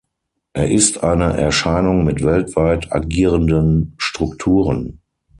Er ist eine Erscheinung mit weltweit agierenden Strukturen.